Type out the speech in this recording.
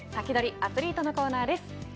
アツリートのコーナーです。